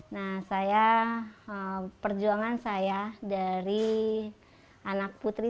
nah saya perjuangan saya dari anak putri